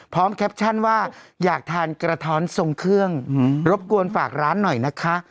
แคปชั่นว่าอยากทานกระท้อนทรงเครื่องรบกวนฝากร้านหน่อยนะคะ